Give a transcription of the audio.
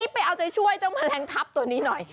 ไปเอาใจช่วยเจ้าแมลงทัพตัวนี้หน่อย